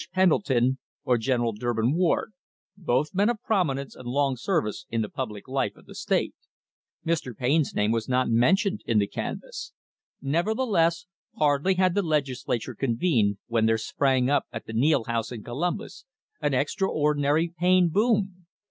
Pendleton or General Durbin Ward, both men of prominence and long service in the public life of the state. Mr. Payne's name was not men tioned in the canvass. Nevertheless, hardly had the Legisla ture convened when there sprang up at the Neil House in Columbus an extraordinary Payne boom.